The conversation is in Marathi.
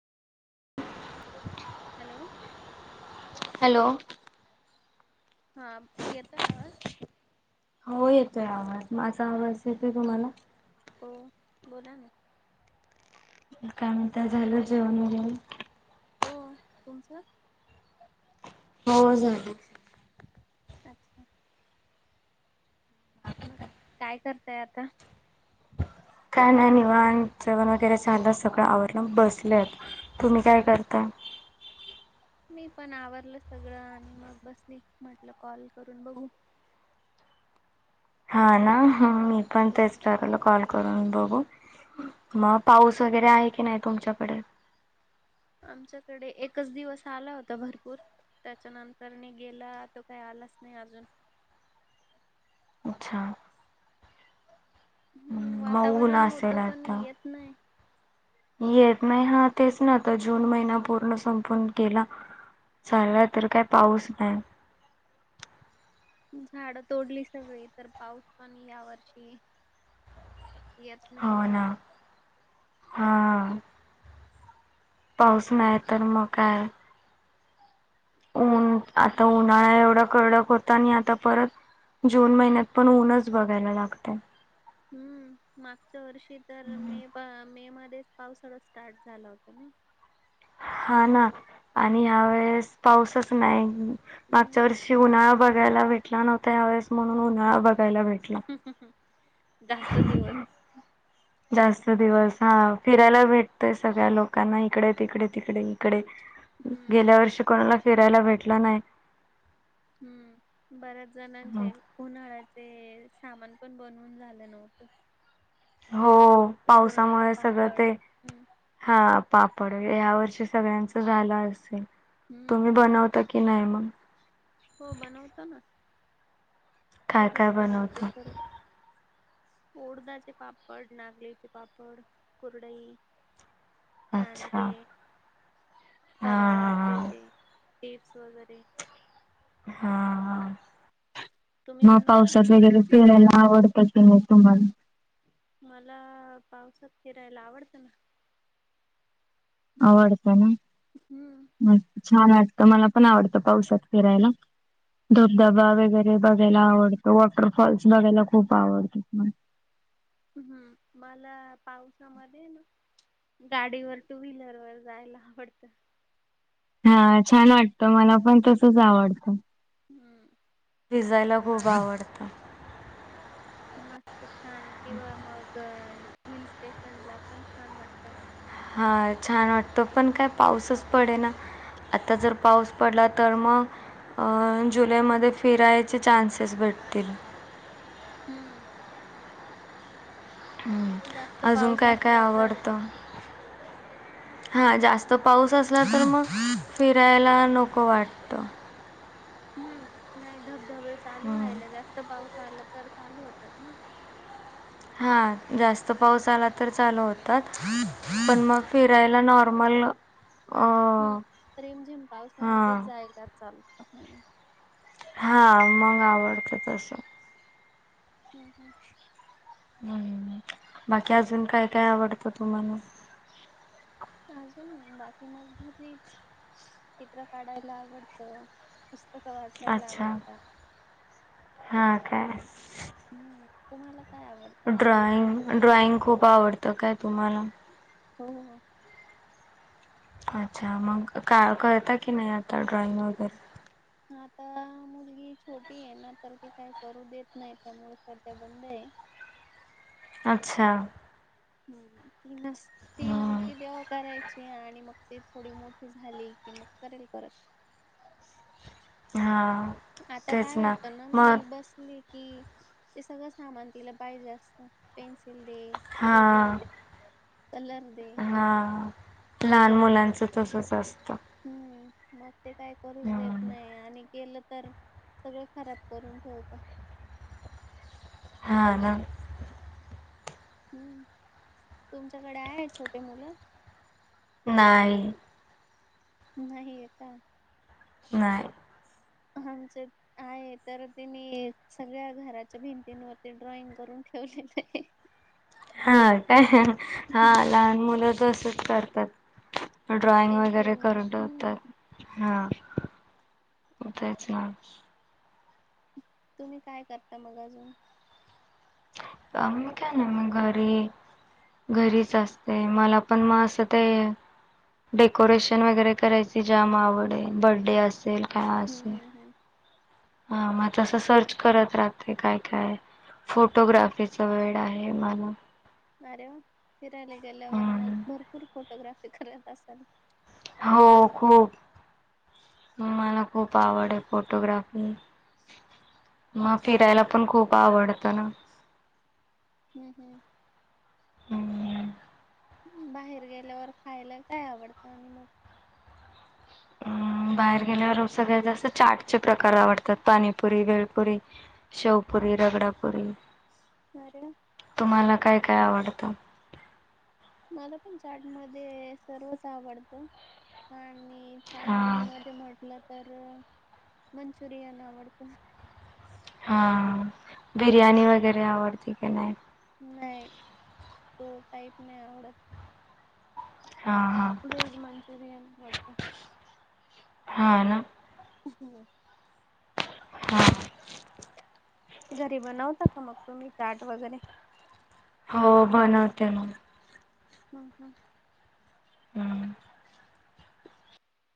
हॅलो हॅलो हा येताोय आवाज हो येतोय आवाज माझा आवाज येतोय तुम्हाला हो बोला ना काय म्हणताय झालं जेवण वगैरे हो कोणतं? हो झाली. अच्छा काय करताय आता? काय नाही निवांत जेवण वगैरे झालं सगळं आवरलं बसलेय आता. तुम्ही काय करताय? [inaudible] मी पण आवरलं सगळं आणि मग बसली म्हटलं कॉल करून बघू हा ना हं मी पण तेच दादाला कॉल बघू मग पाऊस वगैरे आहे की नाही तुमच्याकडं आमच्याकडे एकच दिवस आला होता भरपूर त्याच्यानंतर नि गेला तो काही आलाच नाही अजून अच्छा हम्म मग ऊन वातावरण होत असेल पण आता. येत नाही. येत नाही हा तेच ना आता जून महिना पूर्ण संपून केला. झाला तर काय पाऊस नाही. झाडं तोडली सगळी तर पाऊस पण या वर्षी येत हो नाही. ना हा पाऊस नाही तर म काय उन काहीच आता उन्हाळा एवढा कडक होत आणि आता परत जून महिन्यात पण ऊनच बघायला लागतय. हम्म मागच्या वर्षी तर मे प मे मध्य च पावसाड स्टार्ट झाला होता ना. हा ना आणि ह्या वेळेस पाऊसच नाही हम्म. मागच्या वर्षी उन्हाळा बघायला भेटला नव्हता ह्यावेळेस म्हणून उन्हाळा बघायला भेटला. जास्त दिवस. जास्त दिवस हा फिरायला भेटतय सगळ्या लोकांना इकडे तिकडे तिकडे इकडे. हम्म गेल्या वर्षी कोणाला फिरायला भेटला नाही. हम्म बऱ्याच जणांचे उन्हाळ्याचे सामान पण बनवून झालं नव्हतं. हो कुरडई, पावसामुळे सगळं पापड ते हम्म हा पापड ह्या वर्षी सगळ्यांच झालं असेल तुम्ही हम्म बनवता की नाही मग. हो बनवतो ना काय घरीच काय बनवतो बनवता सर्व ऊडदाचे पापड नागलीचे पापड कुरडई. अच्छा सांडके. हा फराळाचे हा ते चिप्स वगैरे. हा तुम्ही मग बनवता? पावसात वगैरे फिरायला आवडत असेल तुम्हाला. मला पावसात फिरायला आवडतं ना. आवडत ना हम्म म छान वा ट तर मला पण आवडतं पावसात फिरायला. धबधबा वगैरे बघायला आवडतो वॉटरफॉल्स बघायला खूप आवडत [unintelligible] हम्म मला पावसामध्ये ना गाडीवर टू व्हीलर वर जायला आवडत. हा छान वाटतं मला पण तसच आवडत. हम्म. भिजायला आ खूप आवडतं. मस्त छान किंवा मग हिल स्टेशन ला पण छान वाटत. हा छान वाटतं पण काय पाऊसच पडे ना आता जर पाऊस पडला तर मग अं जुलैमध्ये फिरायचे चान्सेस भेटतील. हम्म. हम्म जास्त अजून पाऊस काय काय असला तर आवडतं. हा जास्त पाऊस असला तर मग फिरायला नको वाटत हम्म नाही धबधबे चालू हं. रा्हायला जास्त पाऊस. चालं तर चाले होतात ना. हा जास्त पाऊस आला तर चालू होतात पण मग फिरायला नॉर्मल [unintelligible] हम्म रिमझिम पावसामध्येच हां जाय का चालत ह हां मग आवडतें तसं. हम्म हम्म. हम्म बाकी अजून काय काय आवडतं तुम्हाला. अजून बाकी मधच चित्र काढायला आवडत. अच्छा हा काय. हम्म तुम्हाला. काय आवडतं आणि ड्रॉइंग ड्रॉइंग खूप आवडतं काय तुम्हाला हो. अच्छा मग का कळता की नाही आता ड्रॉइंग वगैरे आता मुलगी छोटी आहे ना तर ते काही करू देत नाही त्यामुळे सध्या बंद आहे. अच्छा. हूं ती नस ती हम्म नव्हती तेव्हा कराय ची आणि मग ती थोडी मोठी झाली की मग करेल परत हा आता तेच काय होतं ना मग मी बसली. की ते सगळं सामान तिला पाहिजे असतं पेन्सि ल दे हा इरेजर दे. कलर दे हा लहान मुलांच तसच असतं. हम्म मग ते काय करूच देत हम्म नाय आणि केलं तर सगळं खराब करून ठेवत. हा ना हम्म तुमच्याकडे आहे छोटे मुलं नाही. नाहीये का. नाय. आमच आहे तर तीनी सगळ्या घराच्या भिंतींवरती ड्रॉइंग करून ठेवलेलय. हा का हा लहान मुलं तसच करतात. ड्रॉइंग वगैरे पेन्सिलने करून हम्म ठवतात हा तेच ना. तुम्ही काय करता मग अजून काम मी काय नाय मी घरी घरीच असते मला पण म असं ते डेकोरेशन वगैरे करायची जाम आवड ये बर्डे असेल काय हम्म असेल हम्म हम्म हा मग तस सर्च करत राहते काय काय फोटोग्राफीच वेड आहे मला. अरे वा फिरायला गेल्यावर मग हम्म भरपूर फोटोग्राफी करत असाल. हो खूप मला खूप आवड आहे फोटोग्राफी. म अच्छा फिरायला पण खूप आवडत ना. हम्म हम्म हम्म बाहेर गेल्यावर खायला काय आवडतं आणि मग हम्म बाहेर गेल्यावर सगळ्यात जास्त चाटचे प्रकार आवडतात पाणीपुरी, भेळपुरी, शेवपुरी पुरी, रगडापुरी अरे वा! मला काय काय आवडतं. मला पण चाट मध्ये सर्वच आवडत पण आणि चायनीज हा मध्ये म्हटलं तर मंचुरियन आवडतं. हा बिर्याणी वगैरे आवडते का नाय. नाही तो टाईप नाही आवडत. हा हा वेज मंचुरियन आवडत. हा ना. [unintelligible] [unintelligible] घरी बनवता का मग तुम्ही चाट वगैरे हो बनवते म हं हं हम्म.